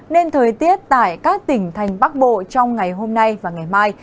nên thời tiết tại các tỉnh thành bắc bộ trong ngày hôm nay và ngày mai